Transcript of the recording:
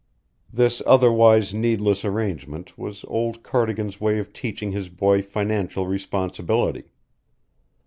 This otherwise needless arrangement was old Cardigan's way of teaching his boy financial responsibility.